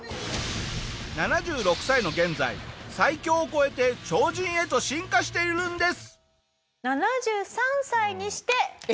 ７６歳の現在最強を超えて超人へと進化しているんです！